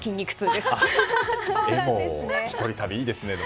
でも１人旅、いいですね。